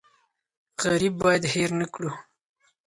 غریب باید هېر نکړو.